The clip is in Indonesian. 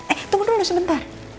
eh tunggu dulu sebentar